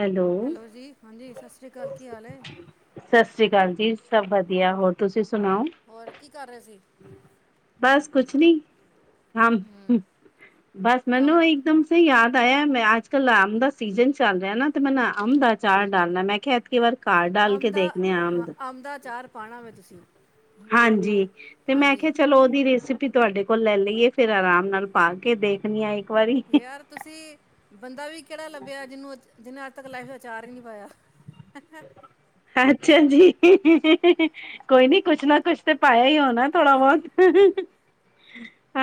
Hello, ਜੀ ਹਾਂਜੀ ਸਤਿ ਸ਼੍ਰੀ ਅਕਾਲ ਕੀ ਹਾਲ ਹੈ ਸਤਿ ਸ਼੍ਰੀ ਅਕਾਲ ਜੀ, ਸਭ ਵਧੀਆ ਹੋਰ ਤੁਸੀਂ ਸੁਣਾਓ? ਹੋਰ ਕੀ ਕਰ ਰਹੇ ਸੀ? ਬਸ ਕੁਛ ਨੀ ਹ ਹੂੰ, ਬਸ ਕੰਮ ਮੈਨੂੰ ਇੱਕ ਦਮ, ਯਾਦ ਆਇ ਮੈਂ ਆਜ- ਕਲ ਅੰਬ ਦਾ ਸੀਜਨ ਚੱਲ ਰਿਹਾ ਨਾ ਤੇ ਮੈਂ ਨਾ ਅੰਬ ਦਾ ਅਚਾਰ ਡਾਲਣਾ ਮੈਂ ਕਿਹਾ ਐਤਕੀ ਵਾਰ- ਘਰ ਡਾਲ ਕੇ ਅੰਮ ਦਾ ਦੇਖਣੇ ਆ ਹਾਂ ਅੰਬ ਅੰਮ ਦਾ ਅਚਾਰ ਪਾਉਣਾ ਵੇ ਤੁਸੀਂ। ਹਾਂਜੀ ਤੇ ਮੈਂ ਕਿਹਾ ਹਾਂਜੀ ਚਲੋ ਉਹਦੀ ਰੈਸ- ਪੀ ਤੁਹਾਡੇ ਕੋਲ ਲੈ ਲਈਏ ਫੇਰ ਆਰਾਮ ਨਾਲ ਪਾ ਕੇ ਦੇਖਣੀ ਆ ਇੱਕ ਵਾਰੀ। ਯਾਰ ਤੁਸੀਂ ਬੰਦਾ ਵੀ ਕਿਹੜਾ ਲੱਭਿਆ ਜਿਹਨੂੰ ਅ ਜਿੰਹੇ ਅੱਜ ਤੱਕ ਲਾਈਫ ਚ ਆਚਾਰ ਈ ਨੀ ਪਾਇਆ। [unintelligible] ਅੱਛਾ ਜੀ ਕੋਈ ਨੀ ਕੁਛ ਨਾ ਕੁਛ ਤੇ ਪਾਇਆ ਹੀ ਹੋਣਾ। ਥੋੜਾ ਬੋਤ।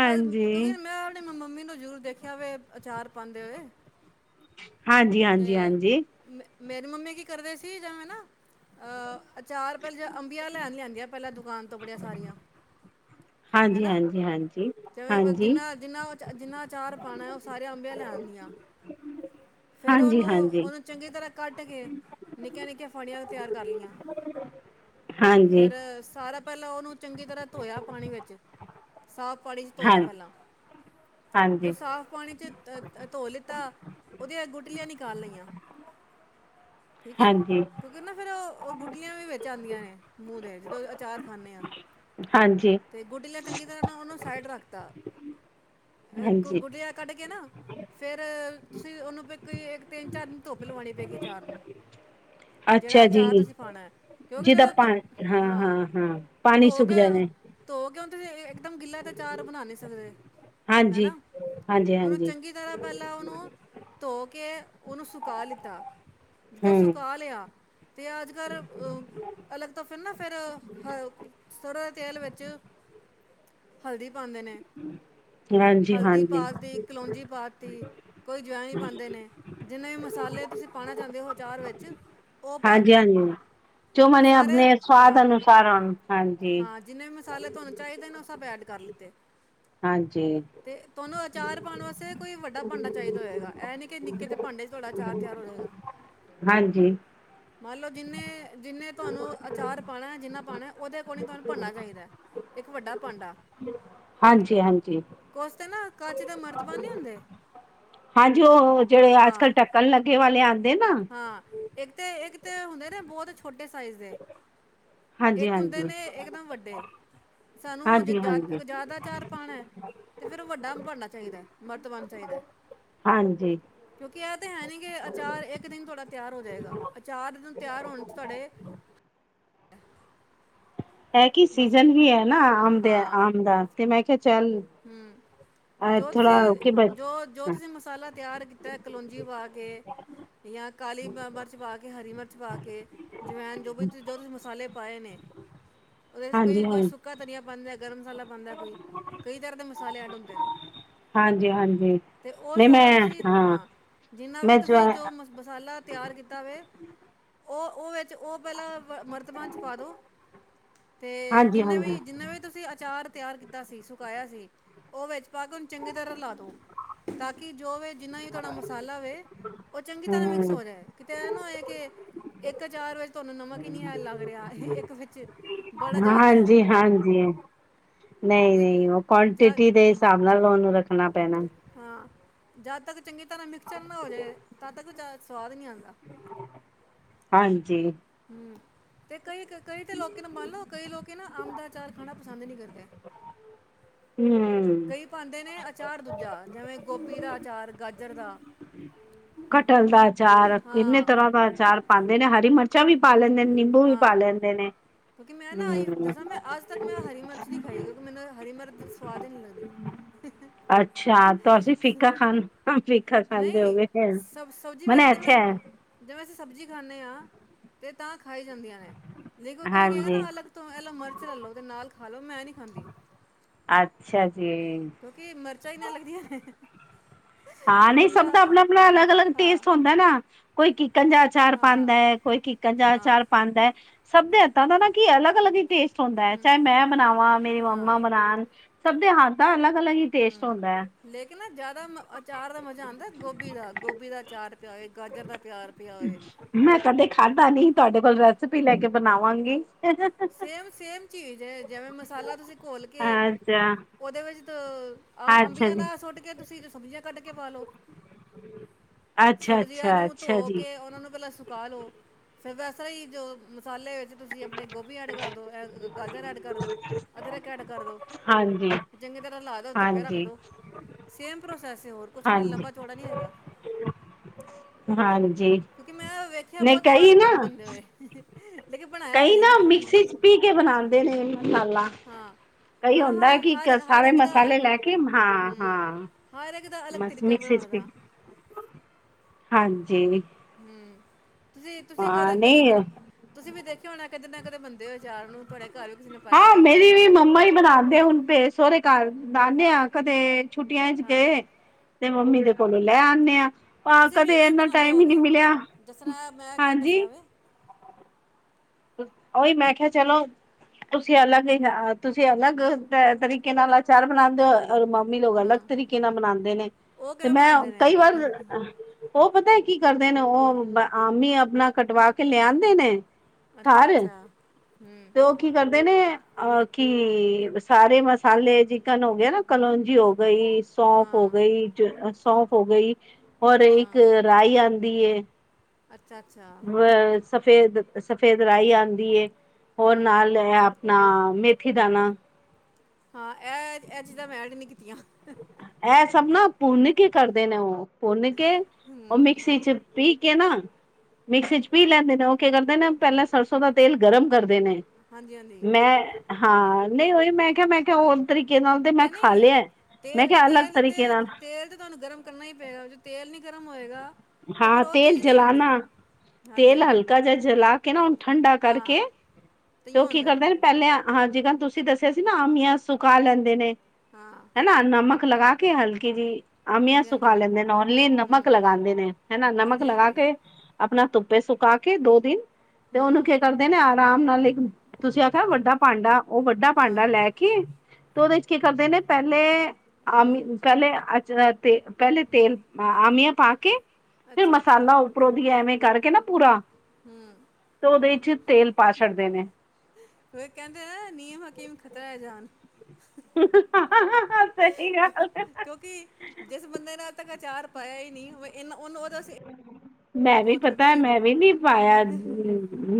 ਕਿਉਂਕਿ ਮੈਂ ਆਪਣੀ ਮੰਮੀ ਨੂੰ ਜ਼ਰੂਰ ਦੇਖਿਆ ਵੇ ਅਚਾਰ ਪਾਉਂਦੇ ਹੋਏ। ਹਾਂਜੀ- ਹਾਂਜੀ, ਹਾਂਜੀ। ਮ ਮੇਰੀ ਮੰਮੀ ਕੀ ਕਰਦੇ ਸੀ ਜੈਵੇ ਨਾ ਅ ਅਚਾਰ ਪਹਿਲਾਂ ਅੰਬੀਆਂ ਲੈਣ ਲਿਆਂਦੀਆਂ ਪੈਲਾਂ ਦੁਕਾਨ ਤੋਂ ਬੜੀਆਂ ਸਾਰੀਆਂ ਹੈ ਹਾਂਜੀ ਨਾ ਹਾਂਜੀ ਹਾਂਜੀ ਹਾਂਜੀ ਜਿਵੇਂ ਜਿੰਨਾ ਜਿੰਨਾ ਉਹ ਜਿੰਨਾ ਅਚਾਰ ਪਾਣੈ ਉਹ ਸਾਰੀਆਂ ਅੰਬਿਆਂ ਲੈ ਆਂਦੀਆਂ। ਫਿਰ ਹਾਂਜੀ ਹਾਂਜੀ ਉਹਨੂੰ ਹਾਂਜੀ ਉਹਨੂੰ ਚੰਗੀ ਤਰ੍ਹਾਂ ਕੱਟ ਕੇ ਨਿੱਕੀਆਂ ਨਿੱਕੀਆਂ ਫਾੜੀਆਂ ਤਿਆਰ ਕਰ ਲੀਆਂ। ਹਾਂਜੀ ਫੇਰ ਸਾਰਾ ਪੈਲਾਂ ਉਹਨੂੰ ਚੰਗੀ ਤਰ੍ਹਾਂ ਧੋਇਆ ਪਾਣੀ ਵਿੱਚ ਸਾਫ਼ ਪਾਣੀ ਚ ਹਾਂ ਧੋਇਆ ਪੈਲਾਂ ਜ ਹਾਂਜੀ ਸਾਫ਼ ਪਾਣੀ ਚ ਧੋ ਲਿੱਤਾ ਉਹਦੀਆਂ ਗੁਟਲੀਆਂ ਨਿਕਾਲ ਲਈਆਂ ਠੀਕ ਹੈ ਹਾਂਜੀ ਕਿਉਂਕਿ ਨਾ ਫੇਰ ਉਹ ਗੁੱਟਲੀਆਂ ਵੀ ਵਿੱਚ ਆਂਦੀਆਂ ਨੇ ਮੂੰਹ ਦੇ ਜਦੋਂ ਅਚਾਰ ਖਾਂਨੇ ਆਂ। ਹਾਂਜੀ ਤੇ ਗੁੱਟਲੀਆਂ ਚੰਗੀ ਤਰ੍ਹਾਂ ਨਾ ਉਹਨੂੰ ਸਾਈਡ ਰੱਖਤਾ ਹਾਂਜੀ ਗੁੱਟਲੀਆਂ ਕੱਢ ਕੇ ਨਾ ਫੇਰ ਤੁਸੀਂ ਉਹਨੂੰ ਕੋਈ ਇੱਕ ਤਿੰਨ ਚਾਰ ਦਿਨ ਧੁੱਪ ਲਵਾਣੀ ਪਏ ਗੀ ਅਚਾਰ ਨੂੰ। ਜਿਹੜਾ ਅੱਛਾ ਅਚਾਰ ਜੀ ਤੁਸੀਂ ਪਾਣੈ ਕਿਉਂਕਿ ਜਿਹਦਾ ਜਦੋਂ ਧੁੱਪ ਪਾਣੀ ਹਾਂ ਤੇ ਪਾਣੀ ਧੋ ਸੁੱਕ ਕੇ ਜਾਣਾ ਧੋ ਕੇ ਹੇ ਹੇਕਦਮ ਗਿੱਲੇ ਤੇ ਅਚਾਰ ਬਣਾ ਨੀ ਸਕਦੇ ਹਾਂਜੀ ਹੈਨਾ ਹਾਂਜੀ ਉਹਨੂੰ ਹਾਂਜੀ ਚੰਗੀ ਤਰ੍ਹਾਂ ਪੈਲਾਂ ਉਹਨੂੰ ਧੋ ਕੇ ਉਹਨੂੰ ਸੁਕਾ ਲਿੱਤਾ। ਜਿੱਦਾਂ ਹਮ ਸੁਕਾ ਲਿਆ ਤੇ ਅੱਜ ਕੱਲ ਅਹ ਅਲੱਗ ਤਾਂ ਫਿਰ ਨਾ ਫੇਰ ਸਰ੍ਹੋਂ ਦੇ ਤੇਲ ਵਿੱਚ ਹਲਦੀ ਪਾਂਦੇ ਨੇ, ਹਾਂਜੀ ਹਲਦੀ ਹਾਂਜੀ ਪਾਤੀ ਕਲੋਂਜੀ ਪਾਤੀ ਕੋਈ ਜਵੈਨ ਵੀ ਪਾਂਦੇ ਨੇ ਜਿੰਨੇ ਵੀ ਮਸਾਲੇ ਤੁਸੀਂ ਪਾਣਾ ਚਾਂਦੇ ਹੋ ਅਚਾਰ ਵਿੱਚ ਉਹ ਹਾਂਜੀ ਪਾਤੇ ਹਾਂਜੀ ਜੋ ਤੇ ਹਨੇ ਸਾਰੇ ਆਪਣੇ ਸੁਆਦ ਹਾਂ ਅਨੁਸਾਰ ਹਾਂਜੀ ਹਾਂ ਜਿੰਨੇ ਵੀ ਮਸਾਲੇ ਤੁਹਾਨੂੰ ਚਾਹੀਦੇ ਨੇ ਉਹ ਸਭ ਐਡ ਕਰ ਲਿੱਤੇ ਹਾਂਜੀ ਤੇ ਤੁਹਾਨੂੰ ਅਚਾਰ ਪਾਣ ਵਾਸੇ ਕੋਈੱ ਵੱਡਾ ਭਾਂਡਾ ਚਾਹੀਦਾ ਹੋਏਗਾ ਇਹ ਨਹੀਂ ਕਿ ਨਿੱਕੇ ਜ ਭਾਂਡੇ 'ਚ ਤੁਹਾਡਾ ਅਚਾਰ ਤਿਆਰ ਹੋ ਜਾਏਗਾ। ਹਾਂਜੀ ਮੰਨ ਲੋ ਜਿੰਨੇ ਜਿੰਨੇ ਤੁਵਾਨੂੰ ਚਾਰ ਪਾਣੈ ਜਿੰਨਾ ਪਾਣੈ ਉਹਦੇ ਅਕੋਰਡਿੰਗ ਤੁਹਾਨੂੰ ਭਾਂਡਾ ਚਾਹੀਦੈ ਇੱਕ ਵੱਡਾ ਭਾਂਡਾ ਹਾਂਜੀ ਹਾਂਜੀ ਕੁਛ ਤੇ ਨਾ ਕੱਚ ਦੇ ਮਰਤਬਾਨ ਨਹੀਂ ਹੁੰਦੇ ਹਾਂਜੀ ਉਹ ਜਿਹੜੇ ਅੱਜ ਹਾਂ ਕੱਲ੍ਹ ਢੱਕਣ ਲੱਗੇ ਵਾਲੇ ਆਂਦੇ ਨਾ ਹਾਂ ਏਕ ਤੇ ਏਕ ਤੇ ਹੁੰਦੇ ਨੇ ਬਹੁਤ ਛੋਟੇ ਸਾਈਜ਼ ਦੇ ਹਾਂਜੀ ਇੱਕ ਹੁੰਦੇ ਹਾਂਜੀ ਨੇ ਇੱਕ ਦਮ ਵੱਡੇ ਸਾਨੂੰ ਹਾਂਜੀ ਹਾਂਜੀ ਜ਼ਿਆਦਾ ਚਾਰ ਪਾਣੈ ਤੇ ਫੇਰ ਉਹ ਵੱਡਾ ਭਾਂਡਾ ਚਾਹੀਦੈ ਮਰਤਬਾਨ ਚਾਹੀਦੈ। ਹਾਂਜੀ ਕਿਉਂਕਿ ਇਹ ਤਾਂ ਹੈ ਨੀ ਕਿ ਅਚਾਰ ਇੱਕ ਦਿਨ ਤੁਹਾਡਾ ਤਿਆਰ ਹੋ ਜਾਏਗਾ ਅਚਾਰ ਤਿਆਰ ਹੋਣ ਚ ਤੁਹਾਡੇ ਹੈ ਕਿ ਬਸ ਸੀਜਨ ਵੀ ਹੈ ਨਾ ਆਮ ਦੇ ਆਮ ਦਾ ਤੇ ਮੈਂ ਕਿਹਾ ਚੱਲ ਹਮ ਅ ਜੋ ਥੋੜਾ ਤੁਸੀਂ ਰੋਕੇ ਬ ਜੋ ਜੋ ਤੁਸੀਂ ਮਸਾਲਾ ਤਿਆਰ ਕੀਤੈ ਕਲੋਂਜੀ ਪਾ ਕੇ, ਯਾ ਕਾਲੀ ਮਿਰਚ ਪਾ ਕੇ, ਹਰੀ ਮਿਰਚ ਪਾ ਕੇ ਜਵੈਨ ਜੋ ਵੀ ਜੋ ਤੁਸੀਂ ਮਸਾਲੇ ਪਾਏ ਨੇ ਉਹਦੇ ਚ ਹਾਂਜੀ ਕਈ ਹਾਂ ਕੋਈ ਸੁੱਕਾ ਧਨੀਆ ਪਾਂਦੈ ਗਰਮ ਮਸਾਲਾ ਪਾਂਦੈ ਕੋਈ ਕਈ ਤਰ੍ਹਾਂ ਦੇ ਮਸਾਲੇ ਐਡ ਹੁੰਦੇ ਨੇ ਹਾਂਜੀ ਹਾਂਜੀ ਤੇ ਉਹ ਨਹੀਂ ਸਾਰਾ ਮੈਂ ਤੁਸੀਂ ਹਾਂ ਜਿੰਨਾ ਵੀ ਮੈਂ ਜ ਤੁਸੀਂ ਜੋ ਮ ਮਸਾਲਾ ਤਿਆਰ ਕੀਤਾ ਵੇ ਉਹ ਉਹ ਇਚ ਉਹ ਪੈਲਾਂ ਮਰਤਬਾਨ ਚ ਪਾ ਦੋ ਤੇ ਹਾਂਜੀ ਜਿੰਨੇ ਹਾਂਜੀ ਵੀ ਜਿੰਨੇ ਵੀ ਤੁਸੀਂ ਆਚਾਰ ਤਿਆਰ ਕੀਤਾ ਸੀ, ਸੁਕਾਇਆ ਸੀ, ਉਹ ਵਿੱਚ ਪਾ ਕੇ ਉਹਨੂੰ ਚੰਗੀ ਤਰ੍ਹਾਂ ਰਲਾ ਦੋ ਤਾਂ ਕਿ ਜੋ ਵੀ ਜਿੰਨਾ ਹੀ ਤਾਡਾ ਮਸਾਲਾ ਹੋਵੇ, ਉਹ ਚੰਗੀ ਤਰ੍ਹਾਂ ਮਿਕਸ ਹਮ ਹੋ ਜਾਏ ਕਿਤੇ ਐਹ ਨਾ ਹੋਏ ਕਿ, ਇੱਕ ਆਚਾਰ ਵਿੱਚ ਤੁਹਾਨੂੰ ਨਮਕ ਹੀ ਨੀ ਹੈ ਲੱਗ ਰਿਹਾ ਇੱਕ ਵਿੱਚ ਬੜਾ ਜ਼ਿਆਦਾ ਹਾਂਜੀ- ਕਿਉਂਕਿ ਹਾਂਜੀ ਨਹੀ- ਨਹੀ ਉਹ ਜਾ ਕੁਆਂਟਿਟੀ ਦੇ ਹੂੰ ਹਿਸਾਬ ਨਾਲ ਤੁਹਾਨੂੰ ਰੱਖਣਾ ਪੈਣਾ ਹਾਂ, ਜਦ ਤੱਕ ਚੰਗੀ ਤਰ੍ਹਾਂ ਮਿਕਸਚਰ ਨਾ ਹੋ ਜਏ, ਤਦ ਤੱਕ ਆਚਾਰ ਸਵਾਦ ਨਹੀਂ ਆਂਦਾ ਹਾਂਜੀ ਹਮ, ਤੇ ਕਈ ਕ ਕਈ ਤਾਂ ਲੋਕੀ ਨੂੰ ਮੰਨ ਲਓ, ਕਈ ਲੋਕੀ ਨਾ ਅੰਮ ਦਾ ਆਚਾਰ ਖਾਣਾ ਪਸੰਦ ਨਹੀਂ ਕਰਦੇ ਹਮਮ ਲੋਕੀ ਪਾਉਂਦੇ ਨੇ ਅਚਾਰ ਦੂਜਾ, ਜਿਵੇਂ ਗੋਭੀ ਦਾ ਅਚਾਰ, ਗਾਜਰ ਦਾ ਕਟਹਲ ਦਾ ਅਚਾਰ ਇੰਨੇ ਹਾਂ ਤਰ੍ਹਾਂ ਦਾ ਅਚਾਰ ਪਾਂਦੇ ਨੇ, ਹਰੀ ਮਿਰਚ ਚਚਾ ਵੀ ਪਾ ਲੈਂਦੇ, ਨਿੰਬੂ ਵੀ ਪਾ ਹਾਂ ਲੈਂਦੇ ਨੇ ਕਿਉਂਕਿ ਮੈਂ ਨਾ, ਹਮ ਦੱਸਾਂ ਮੈਂ ਅੱਜ ਤੱਕ ਮੈਂ ਹਰੀ ਮਿਰਚ ਨੀ ਖਾਈ, ਕਿਉਂਕਿ ਮੈਨੂੰ ਹਰੀ ਮਿਰਚ ਸਵਾਦ ਹੀ ਨੀ ਲੱਗਦੀ ਅੱਛਾ ਤਾਂ ਅਸੀਂ ਫੀਕਾ ਖਾਨ, ਫੀਕਾ ਖਾਨਦੇ ਹੋ ਨਹੀਂ ਗਏ ਸਬ ਸਬਜ਼ੀ ਵੈਸੇ ਤਾਂ, ਮੈਂ ਜਿਵੇਂ ਅਸੀਂ ਸਬਜ਼ੀ ਖਾਂਦੇ ਹਾਂ ਤੇ ਤਾਂ ਖਾਈ ਜਾਂਦੀਆਂ ਨੇ, ਲੇਕਿਨ ਕੋਈ ਕਹਿੰਗਾ ਹਾਂਜੀ ਨਾ ਅਲੱਗ ਤੇ ਐਹ ਲ ਮਿਰਚ ਲੈ ਲਓ ਤੇ ਨਾਲ ਖਾ ਲਓ ਮੈਂ ਨੀ ਖਾਂਦੀ ਅੱਛਾ ਜੀ ਕਿਉਂਕਿ ਮਿਰਚਾਂ ਇੰਨਾ ਲੱਗਦੀਆਂ ਹਾਂ ਤੇ ਨੀ ਬੰਦਾ ਸਭ ਦਾ ਆਪਣਾ- ਆਪਣਾ ਅਲੱਗ- ਅਲੱਗ ਹਾਂ ਟੇਸਟ ਹੁੰਦਾ ਨਾ, ਕੋਈ ਕਿਕਨ ਜਾ ਚਾਰ ਹਾਂ ਪਾਂਦਾ ਏ, ਕੋਈ ਕਿਕਨ ਜਾ ਹਾਂ ਅਚਾਰ ਪਾਂਦਾ ਐ, ਸਭ ਦੇ ਹੱਥਾਂ ਦਾ ਨਾ ਕੀ ਅਲੱਗ -ਅਲੱਗ ਹੀ ਟੇਸਟ ਹੁੰਦਾ ਐ, ਚਾਹੇ ਮੈਂ ਬਣਾਵਾਂ ਮੇਰੀ ਹਾਂ ਮੰਮਾ ਬਣਾਉਣ, ਸਭ ਦੇ ਹੱਥ ਦਾ ਅਲੱਗ- ਅਲੱਗ ਹੀ ਟੇਸਟ ਹਮ, ਹੁੰਦਾ ਹੈ ਲੇਕਿਨ ਜ਼ਿਆਦਾ ਅਚਾਰ ਦਾ ਮਜ਼ਾ ਆਂਦਾ ਗੋਭੀ ਦਾ ਗੋਭੀ ਦਾ ਅਚਾਰ ਪਾਏ ਗਾਜਰ ਦਾ ਪਿਆਰ ਪਿਆ ਹੋਏ ਮੈਂ ਕਦੇ ਖਾਧਾ ਨੀ, ਤਾਡੇ ਕੋਲ ਰੈਸਪੀ ਲੈ ਕੇ ਬਣਾਵਾਂਗੀ ਸੇਮ- ਸੇਮ ਚੀਜ਼ ਐ, ਜਿਵੇਂ ਮਸਾਲਾ ਤੁਸੀਂ ਘੋਲ ਕੇ, ਅੱਛਾ ਉਹਦੇ ਵਿੱਚ ਆਹ ਅੱਛਾ ਅੰਬੀਆਂ ਜੀ ਨਾਲ ਸੁੱਟ ਕੇ ਤੁਸੀਂ ਜੋ ਸਬਜ਼ੀਆਂ ਕੱਟ ਕੇ ਪਾ ਲਓ ਅੱਛਾ ਸਬਜ਼ੀਆਂ ਅੱਛਾ ਨੂੰ ਧੋ ਅੱਛਾ ਜੀ ਕੇ ਉਹਨਾ ਨੂੰ ਅਲੱਗ- ਅਲੱਗ ਸੁਕਾ ਲੋ ਫੇਰ ਵੈਸੇ ਹੀ, ਜੋ ਮਸਾਲੇ ਵਿੱਚ ਤੁਸੀਂ ਆਪਣੇ ਗੋਭੀ ਐਡ ਕਰ ਦੋ, ਐ ਗਾਜਰ ਐਡ ਕਰ ਦੋ, ਅਦਰਕ ਐਡ ਕਰ ਦੋ ਹਾਂਜੀ ਚੰਗੀ ਤਰ੍ਹਾਂ ਹਿਲਾ ਦਓ, ਧੁੱਪੇ ਹਾਂਜੀ, ਰੱਖਦੋ ਸੇਮ ਪ੍ਰੋਸੈਸ, ਹੋਰ ਕੁਛ ਨੀ, ਹਾਂਜੀ, ਲੰਬਾ ਚੌੜਾ ਨੀ ਹੈਗਾ ਹਾਂਜੀ ਕਿਉਂਕਿ ਮੈਂ ਵੇਖਿਆ ਨਹੀਂ ਬਹੁਤ ਬਾਰ ਕਈ ਏ ਨਾ ਬਨਦੇ ਹੋਏ। ਲੇਕਿਨ ਬਣਾਇਆ ਕਈ ਕਦੀ ਨਾ ਨੀ, ਮਿਕਸੀ ਚ ਪੀ ਕੇ ਬਣਾਂਦੇ ਨੇ ਮਸਾਲਾ, ਕਈ ਹੁੰਦਾ ਹਾਂ-ਹਾਂ-ਹਾਂ, ਕਿ ਹਰ-ਹਰ ਸਾਰੇ ਇੱਕ ਦਾ, ਮਸਾਲੇ ਲੈ ਕੇ ਹਾਂ ਹੂੰ। ਹਾਂ ਹਰ ਇੱਕ ਦਾ, ਅਲੱਗ ਬਸ ਤਰੀਕਾ ਮਿਕਸੀ ਚ ਬਣਾਨ ਪੀ ਦਾ, ਹਾਂਜੀ, ਹੂੰ, ਤੁਸੀਂ, ਤੁਸੀਂ ਹਾਂ ਕ ਕਦੀ ਨਹੀਂ ਮਨਪ ਤੁਸੀਂ ਵੀ ਦੇਖਿਆ ਹੋਣਾ ਕਿਤੇ ਨਾ ਕਿਤੇ ਬਣਦੇ ਹੋ ਆਚਾਰ ਨੂੰ, ਤੁਹਾਡੇ ਘਰ ਵੀ ਕਿਸੇ ਪਾਇਆ ਹਾਂ, ਹੋਏਗਾ ਅੱਜ ਮੇਰੀ ਤੱਕ ਵੀ ਮੰਮਾ ਹੀ ਬਣਾ। ਤੇ ਹੁਣ ਬੇ ਸਹੁਰੇ ਘਰ, ਆਨੇ ਆ ਕਦੇ ਛੁੱਟੀਆਂ 'ਚ ਹਾਂ ਗਏ। ਤੇ ਮੰਮੀ ਦੇ ਕੋਲੋਂ ਲੈ ਆਂਦੇ ਆ। ਪਾ ਤੁਸੀਂ ਵੀ ਕਦੇ ਐਵੇਂ ਇਨਾ ਬਣਾਉਂਦੇ ਟਾਈਮ ਹੀ ਨਹੀਂ ਹੋਗੇ ਮਿਲਿਆ, ਜਿਸ ਤਰ੍ਹਾਂ ਮੈਂ ਕਿ ਹਾਂਜੀ। ਦੱਸਿਆ ਵੇ ਉਹੀ ਮੈਂ ਕਿਹਾ ਚਲੋ। ਤੁਸੀਂ ਅਲੱਗ ਹੀ, ਤੁਸੀਂ ਅਲੱਗ ਅ ਤਰੀਕੇ ਨਾਲ ਅਚਾਰ ਬਣਾਉਦੇ ਹੋ ਮ ਲੋਕ ਅਲੱਗ ਹਾਂ ਤਰੀਕੇ ਨਾਲ ਮਨਾਦੇ ਨੇ, ਉਹ ਤੇ ਕਿਵੇਂ ਮੈਂ ਬਣਾਉਂਦੇ ਨੇ ਕਈ ਵਾਰ ਉਹ ਪਤਾ ਕੀ ਕਰਦੇ ਨੇ, ਉਹ ਆਮੀ ਆਪਣਾ ਕਟਵਾ ਕੇ ਲਿਆਂਦੇ ਨੇ। ਠਾ ਅੱਛਾ ਰੇ ਨੇ ਅੱਛਾ ਹੂੰ ਤੇ ਔ ਕੀ ਕਰਦੇ ਨੇ ਅ ਕੀ ਸਾਰੇ ਮਸਾਲੇ ਚਿਕਨ ਹੋ ਗਏ, ਨਾ ਕਲੋਂਜੀ ਹੋ ਗਈ। ਸੌਂਫ ਹੋ ਹਾਂ ਗਈ ਸੌਂਫ ਹੋ ਗਈ, ਔਰ ਇੱਕ ਰਾਈ ਆਦੀ ਐ। ਅੱਛਾ-ਅੱਛਾ, ਅ ਸਫੇਦ-ਸਫੇਦ ਰਾਹੀਂ ਆਦੀ ਐ, ਔਰ ਹੂੰ ਨਾਲ ਲਏ ਆ। ਨਾ ਮੇਥੀ ਦਾਣਾ, ਹਾਂ ਇਹ-ਇਹ ਚੀਜਾ ਮੈਂਟ ਨੀ ਕੀਤੀਆਂ। ਇਹ ਸਭ ਨਾ ਪੁੰਨਕੇ ਕਰਦੇ ਨੇ ਹੁਣ ਪੁੰਨਕੇ ਉਹ ਮਿਕਸੀ ਚ ਪੀ ਕੇ ਨਾ, ਮਿਕਸੀ ਚ ਪੀ ਲੈਂਦੇ ਨੇ ਉਹ ਕੀ ਕਰਦੇ ਨੇ ਪਹਿਲਾਂ ਸਰਸੋਂ ਦਾ ਤੇਲ ਗਰਮ ਕਰਦੇ ਨੇ, ਹਾਂਜੀ ਹਾਂਜੀ ਮੈਂ ਹਾਂ ਨਈ ਉਹੀ ਮੈਂ ਕਿਹਾ ਮੈਂ ਕਿਹਾ ਹੋਰ ਤਰੀਕੇ ਨਾਲ ਤੇ ਮੈਂ ਨਹੀਂ ਖਾ ਨਹੀਂ ਲਿਆ। ਮੈਂ ਤੇਲ ਕਿਹਾ ਅਲੱਗ ਤੇਲ ਤਰੀਕੇ ਤਾਂ ਨਾਲ ਤੇਲ ਤਾਂ ਤੁਹਾਨੂੰ ਗਰਮ ਕਰਨਾ ਈ ਪਏਗਾ, ਜੋੋਂ ਤੇਲ ਨੀ ਗਰਮ ਹੋਏਗਾ। ਤੇ ਹਾਂ ਫੇਰ ਉਹ ਤੇਲ ਚੀਜ਼ ਨਹੀਂ ਆਉਂਦੀ ਜਲਾਨਾ ਹਾਂਜੀ ਤੇਲ ਹਾਂਜੀ ਹਲਕਾ ਜਿਹਾ ਜਲਾ ਕੇ ਨਾ ਉਹਨੂੰ ਠੰਡਾ ਕਰਕੇ, ਤਈਓ ਹੁੰਦਾ, ਪਹਿਲਿਆ ਹਾਂ ਜਿਕਾਂ ਤੁਸੀਂ ਦੱਸਿਆ ਸੀ ਨਾ ਆਮੀਆਂ ਸੁਕਾ ਲੈਂਦੇ ਨੇ, ਹਾਂ, ਨਮਕ ਲਗਾ ਕੇ ਹਲਕੀ ਜਿਹੀ ਆਮੀਆਂ ਹਾਂਜੀ ਸੁਕਾ ਹਾਂਜੀ ਲੈਂਦੇ ਨੇ ਓਨਲੀ ਨਮਕ ਹਮ ਲਗਾਦੇ ਨੇ, ਹਨਾ ਨਮਕ ਹਾਂਜੀ ਲਗਾ ਹਾਂਜੀ ਕੇ, ਆਪਣਾ ਧੁੱਪੇ ਸੁਕਾ ਕੇ ਦੋ ਦਿਨ ਤੇ ਉਹਨੂੰ ਹਮ ਕੀ ਕਰਦਾ। ਕਦੇ ਨੇ ਆਰਾਮ ਨਾਲ ਇੱਕ, ਤੁਸੀਂ ਆਖਿਆ ਵੱਡਾ ਭਾਂਡਾ ਉਹ ਵੱਡਾ ਭਾਂਡਾ ਹਾਂ ਲੈ ਕੇ। ਤੇ ਉਹਦੇ ਚ ਕੀ ਕਰਦੇ ਨੇ ਪਹਿਲੇ ਅ ਹਮ ਪਹਿਲੇ ਅ ਤੇ ਪਹਿਲੇ ਤੇਲ ਆਮੀਆਂ ਪਾ ਕੇ, ਫਿਰ ਅੱਛਾ ਅੱਛਾ ਮਸਾਲਾ ਉੱਪਰੋਂ ਦੀ ਐਵੇਂ ਕਰਕੇ ਨਾ ਪੂਰਾ ਹੂੰ, ਤੇ ਉਹਦੇ ਚ ਤੇਲ ਪਾ ਛੱਡਦੇ ਨੇ, ਉਹ ਕਹਿੰਦੇ ਨਾ ਨਿਯਮ ਹਕੀਮ ਖ਼ਤਰਾ ਐ ਜਾਨ ਸਹੀ ਗੱਲ ਏ। ਕਿਉਕਿ ਜਿਸ ਬੰਦੇ ਨੇ ਉਹ ਤੱਕ ਅਚਾਰ ਪਾਇਆ ਈ ਨੀ ਇਹਨਾ ਉਹਨੂੰ ਉਹਦਾ ਮੈਂ ਵੀ ਪਤਾ ਮੈਂ ਵੀ ਨੀ ਪਾਇਆ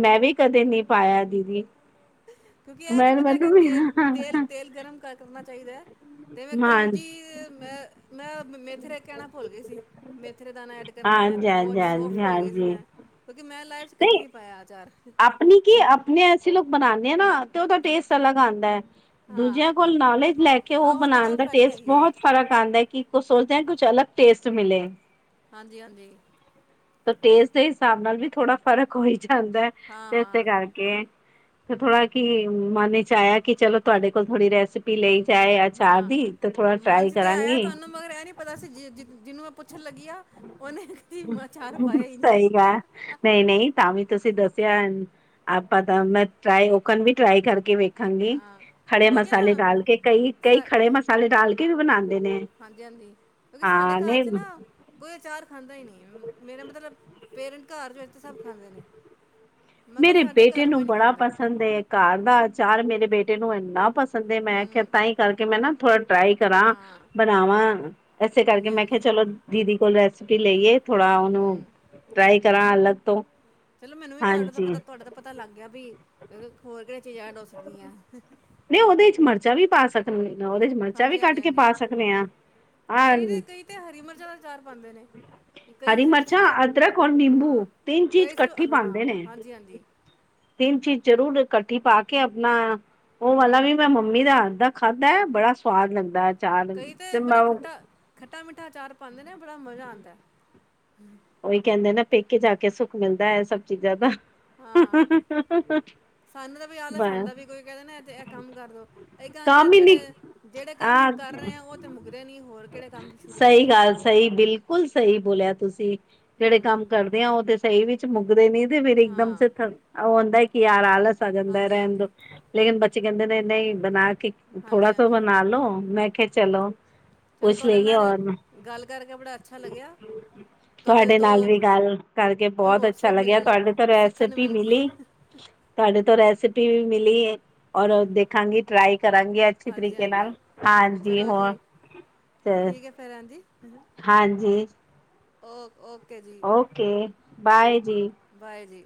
ਮੈਂ ਵੀ ਕਦੇ ਨੀ ਪਾਇਆ ਦੀਦੀ ਕਿਉਂਕਿ ਇਹ ਤਾਂ ਮੈਂ ਪਤਾ ਮੈਨੂੰ ਕਿ ਵੀ ਤੇਲ ਤੇਲ ਹਾਂਜੀ ਤੇਲ ਗਰਮ ਕਰਨਾ ਚਾਹੀਦਾ ਐ। ਤੇ ਮੈਂ ਹਾਂਜੀ ਕਲੂੰਜੀ ਮੈਂ ਮੈਂ ਮੇਥਰੇ ਕਹਿਣਾ ਭੁੱਲ ਗਈ ਸੀ। ਮੇਥਰੇ ਦਾਨਾ ਐਡ ਕਰਨਾ ਐ ਹਾਂਜੀ ਦੋ ਸੋਫ ਹਾਂਜੀ ਭੁੱਲ ਗਏ ਸੀ ਹਾਂਜੀ ਮੈਂ ਕਿਉਂਕਿ ਮੈਂ ਲਾਈਫ ਚ ਕਦੇ ਨਹੀਂ ਨੀ ਪਾਇਆ ਆਚਾਰ, ਆਪਣੀ ਕੀ ਆਪਣੇ ਅਸੀ ਲੋਕ ਬਣਾਦੇ ਆ ਨਾ ਤੇ ਉਹਦਾ ਟੇਸਟ ਅਲਗ ਆਦਾ ਐ। ਹਾਂ ਦੂਜਿਆਂ ਕੋਲ ਨੌਲੇਜ ਲੈ ਕੇ ਉਹ ਹਾਂ ਤਾਂ ਬਣਾਣ ਗੱਲ ਦਾ ਫੈਕਟ ਟੇਸਟ ਹੈਗੀ ਹੈ। ਬਹੁਤ ਫਰਕ ਆਦਾ ਐ ਕਿ ਸੋਚਦੇ ਕੁਛ ਅਲਗ ਟੇਸਟ ਮਿਲੇ ਹਾਂਜੀ-ਹਾਂਜੀ। ਟੇਸਟ ਦੇ ਹਿਸਾਬ ਨਾਲ ਵੀ ਥੋੜਾ ਫ਼ਰਕ ਹੋਈ ਜਾਦਾ ਐ ਹਾਂ ਤੇ ਇਸੇ ਹਾਂ ਕਰਕੇ ਤੇ ਥੋੜਾ ਕੀ ਮਨ 'ਚ ਆਇਆ ਕਿ ਚਲੋ ਤੁਹਾਡੇ ਕੋਲ ਥੋੜੀ ਰੈਸਪੀ ਮੇਲੇ ਈ ਜਾਏ ਆਚਾਰ ਹਾਂ। ਦੀ ਤੇ ਥੋੜਾ ਮਨ ਫਰਾਈ 'ਚ ਤੇ ਆਇਆ ਕਰਾਂਗੀ। ਤੁਹਾਨੂੰ ਮਗਰ ਇਹ ਨੀ ਪਤਾ ਸੀ ਜਿਹਨੂੰ ਮੈ ਪੁੱਛਣ ਲਗੀ ਉਹਨੇ ਕਰਦੀ ਆਚਾਰ ਪਾਇਆ ਈ ਨੀ। ਨਈ-ਨਈ ਤਾਂ ਵੀ ਤੁਸੀ ਦਸਿਆ ਐ। ਆਪਾ ਤਾਂ ਮੈ ਟ੍ਰਾਈ, ਓਖਨ ਵੀ ਟ੍ਰਾਈ ਕਰਕੇ ਵੇ ਖਾ ਗੇ। ਹਾਂ ਕਿਉਂਕਿ ਨਾ ਖੜੇ-ਮਸਾਲੇ ਡਾਲ ਕੇ, ਕਈ-ਕਈ ਖੜੇ-ਮਸਾਲੇ ਡਾਲ ਕੇ ਵੀ ਬਣਾਂਦੇ ਨੇ। ਹਾਂਜੀ-ਹਾਂਜੀ। ਕਿਉਂਕਿ ਸਾਡੇ ਹਾਂ ਘਾਰ ਨਹੀਂ 'ਚ ਨਾ ਕੋਈ ਆਚਾਰ ਖਾਂਦਾ ਈ ਨੀ ਆ। ਮੇਰਾ ਮਤਲਬ, ਪੇਰੈਂਟ ਘਾਰ ਵਿਚ ਸਭ ਖਾਂਦੇ ਨੇ। ਮਗਰ ਮੇਰੇ ਸਾਡੇ ਬੇਟੇ ਘਰ ਕੋਈ ਨੂੰ ਨਹੀਂ ਬੜਾ ਖਾਂਦਾ ਪਸੰਦ ਏ। ਘਾਰ ਦਾ ਆਚਾਰ ਮੇਰੇ ਬੇਟੇ ਨੂੰ ਐਂਨਾ ਪ ਫਿਰ ਦੇ, ਮੈ ਕੇਆ ਹੂੰ ਤਾਈਂ ਕਰਕੇ, ਮੈ ਨਾ ਥੋੜ੍ਹਾ ਟ੍ਰਾਈ ਕਰਾ ਹਾਂ ਬਣਾਵਾ, ਇਸੇ ਕਰਕੇ ਹਾਂਜੀ ਮੈਂ ਕਿਹਾ ਹਾਂਜੀ ਚਲੋ ਦੀਦੀ ਕੋਲ਼ ਰੈਸਪੀ ਲਈਏ। ਥੋੜ੍ਹਾ ਉਹਨੂੰ ਹੂੰ ਟਰਾਈ ਕਰਾ ਅਲੱਗ ਤੋ। ਚਲੋ, ਮੈਨੂੰ ਵੀ ਤੁਹਾਡੇ ਤੋ ਪਤਾ, ਤੁਹਾਡਾ ਤਾਂ ਪਤਾ ਲਗ ਗਿਆ ਵੀ। ਹੋਰ ਕਿਹੜੀਆਂ ਚੀਜ਼ਾਂ ਐਡ ਹੋ ਸਕਦੀਐ। ਨਹੀ, ਉਹਦੇ 'ਚ ਮਰਚਾਂ ਵੀ ਪਾ ਸਕਨੇ। ਉਹਦੇ 'ਚ ਮਰਚਾਂ ਵੀ ਹਾਂਜੀ ਹਾਂਜੀ ਕੱਟ ਕੇ ਹਾਂਜੀ ਪਾ ਸਕਨੇ ਆ। ਆ ਤੇ ਹਰੀਆਂ ਮਰਚਾਂ ਦਾ ਆਚਾਰ ਪਾਂਦੇ ਨੇ। ਤੇ ਕਈ ਹਰੀ ਇਹਦੇ 'ਚ ਮਿਰਚਾਂ ਸਿਰਫ਼ ਅਦਰਕ ਔਰ ਹਾਂ, ਨਿੰਬੂ ਤਿੰਨ ਚੀਜ਼ ਕਈ ਇਕੱਠੀ ਸਿਰਫ਼ ਹਾਂ, ਪਾਉਂਦੇ ਨੇ ਹਾਂਜੀ-ਹਾਂਜੀ। ਤਿੰਨ ਚੀਜ਼ ਜਰੂਰ ਇਕੱਠੀ ਪਾ ਕੇ ਆਪਣਾ, ਉਹ ਵਾਲਾ ਹੂੰ ਵੀ ਮੈਂ ਮੰ ਮੰਮੀ ਦੇ ਹਾਥ ਦਾ ਖਾਧਾ ਐ। ਬੜਾ ਸਵਾਦ ਲਗਦਾ। ਕਈ ਤੇ ਬੜਾ ਖੱਟਾ, ਖੱਟਾ-ਮਿੱਠਾ ਆਚਾਰ ਪਾਂਦੇ ਨੇ, ਬੜਾ ਮਜ਼ਾ ਆਂਦਾ। ਉਹੀ ਕਹਿੰਦੇ ਨਾ ਪੇਕੇ ਜਾ ਕੇ ਸੁੱਖ ਮਿਲਦਾ। ਐਹ ਸਭ ਚੀਜਾ ਦਾ। ਹਾਂ ਸਾਨੂੰ ਤੇ ਬਈ ਆਲਸ ਬਸ ਆਂਦਾ। ਕੋਈ ਕਹਿੰਦਾ ਨਾ ਐਹ ਤੇ ਐਹ ਕੰਮ ਕਰਦੋ। ਅਹੀ ਕਹਾਂਗੇ ਅ ਕੰਮ ਹੀ ਨੀ ਜਿਹੜੇ ਜਿਹੜੇ ਕੰਮ ਹਾਂ ਕਰ ਰਹੇ ਆ, ਉਹ ਤੇ ਮੁੱਕਦੇ ਨੀ। ਹੋਰ ਕਿਹੜੇ ਕੰਮ ਸ਼ੁਰੂ ਸਹੀ ਕਰੀਏ ਅਸੀਂ। ਗੱਲ ਸਹੀ ਬਿਲਕੁਲ ਸਹੀ ਬੋਲਿਆ ਤੁਸੀ। ਜਿਹੜੇ ਹੂੰ ਕੰਮ ਕਰਦੇ ਆ, ਉਹ ਤੇ ਸਹੀ ਵਿਚ ਮੁੱਕਦੇ ਨੀ ਤੇ ਫੇਰ ਇਕਦਮ ਤੇ ਹਾਂ ਥਕ ਉਹ ਹੁੰਦਾ ਕਿ ਯਾਰ ਆਲਸ ਆ ਜਾਂਦਾ ਹਾਂਜੀ ਰਹਿਣ ਹਾਂਜੀ ਦੋ। ਲੇਕਿਨ ਬੱਚੇ ਕਹਿੰਦੇ ਨੇ ਨਹੀ ਬਣਾ ਕੇ ਥੋੜਾ ਹਾਂਜੀ ਤੋਂ ਹਾਂਜੀ ਬਣਾਲੋੋ। ਮੈ ਕਿਹਾ ਚਲੋ ਚਲੋ, ਪੁੱਛ ਤੁਹਾਡੇ ਲਈਏ ਨਾਲ ਔਰ ਗੱਲ ਕਰਕੇ ਬੜਾ ਅਛਾ ਲਗਿਆ। ਤੁਹਾਡੇ ਨਾਲ ਵੀ ਗੱਲ ਕਰਕੇ ਬਹੁਤ ਹੋਰ ਅਛਾ ਸੇ ਲਗਿਆ। ਮਿਲਣ ਤੁਹਾਡੇ ਤੋ ਸਿੱਖਣ ਨੂੰ ਰੈਸਪੀ ਮਿਲ ਗਈਆਂ ਮਿਲੀ ਤੁਹਾਡੇ ਤੋ ਰੈਸਪੀ ਵੀ ਮਿਲੀ ਏ। ਔਰ ਦੇਖਾਗੀ ਟ੍ਰਾਈ ਕਰਾਂਗੀ। ਅ ਅਛੀ ਹਾਂਜੀ ਤਰੀਕੇ ਨਾਲ, ਹਾਂਜੀ ਹਾਂਜੀ। ਹੋਰ ਤੇ ਫੇਰ ਹਾਂਜੀ। ਹਾਂਜੀ। ਓ-ਓਕੇ ਜੀ। ਓਕੇ, ਬਾਏ ਜੀ‌। ਬਾਏ ਜੀ।